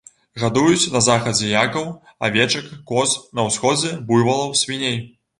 Гадуюць на захадзе якаў, авечак, коз, на ўсходзе буйвалаў, свіней.